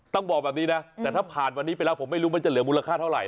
ต้องบอกแบบนี้นะแต่ถ้าผ่านวันนี้ไปแล้วผมไม่รู้มันจะเหลือมูลค่าเท่าไห